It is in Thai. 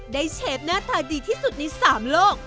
เชฟหน้าตาดีที่สุดใน๓โลก